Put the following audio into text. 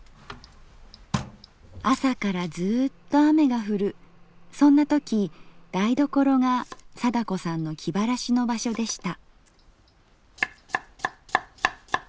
朝からずうっと雨が降るそんな時台所が貞子さんの気晴らしの場所でした。